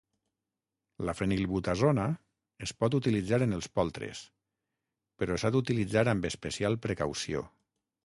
La fenilbutazona es pot utilitzar en els poltres, però s'ha d'utilitzar amb especial precaució.